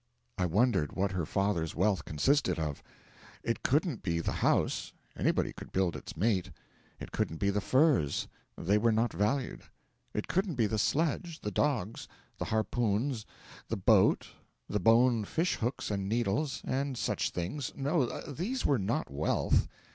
I wondered what her father's wealth consisted of. It couldn't be the house anybody could build its mate. It couldn't be the furs they were not valued. It couldn't be the sledge, the dogs, the harpoons, the boat, the bone fish hooks and needles, and such things no, these were not wealth.